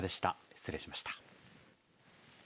失礼しました。